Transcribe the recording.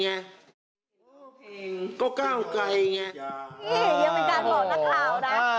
นี่ยังเป็นการบอกรับข่าวนะ